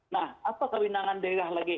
nah apa kewenangan daerah lagi